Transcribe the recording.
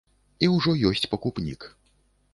І ўжо ёсць пакупнік.